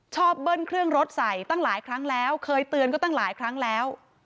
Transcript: เบิ้ลเครื่องรถใส่ตั้งหลายครั้งแล้วเคยเตือนก็ตั้งหลายครั้งแล้ว